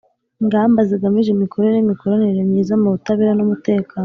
ingamba zigamije imikorere n'imikoranire myiza mu butabera n'umutekano